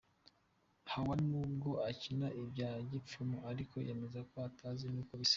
Hawa n'ubwo akina ibya gipfumu ariko yemeza ko atazi n'uko bisa.